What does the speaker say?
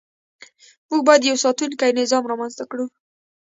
موږ باید یو ساتونکی نظام رامنځته کړو.